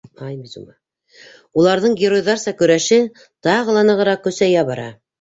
Уларҙың геройҙарса көрәше тағы ла нығырак көсәйә бара.